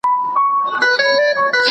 روهیلیه! بختوره! ډک دې جام دی